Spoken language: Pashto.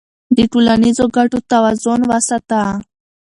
د ټولنیزو ګټو توازن وساته.